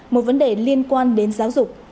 một vấn đề liên quan đến giáo dục